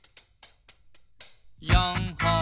「４ほん」